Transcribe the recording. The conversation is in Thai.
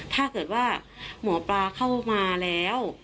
ถ้าเกิดว่าหมอปลาเข้ามาแล้ว